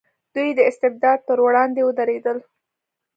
دوی د استبداد پر وړاندې ودرېدل.